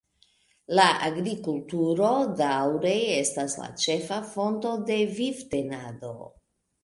La agrikulturo daŭre estas la ĉefa fonto de vivtenado.